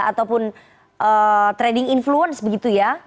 ataupun trading influence begitu ya